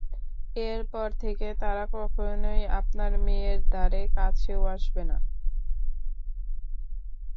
এরপর থেকে তারা কখনই আপনার মেয়ের দ্বারে কাছেও আসবে না।